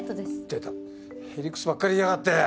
出たへ理屈ばっかり言いやがって。